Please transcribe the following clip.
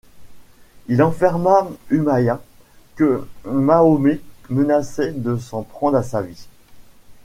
Il informa Umayah que Mahomet menaçait de s'en prendre à sa vie.